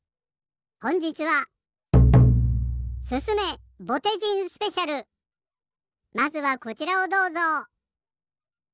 ほんじつはまずはこちらをどうぞ。